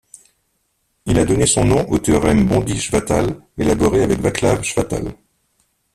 Il a donné son nom au théorème Bondy-Chvátal, élaboré avec Václav Chvátal.